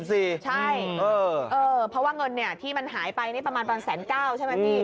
ใช่เพราะว่าเงินที่มันหายไปนี่ประมาณประมาณ๑๙๐๐ใช่ไหมพี่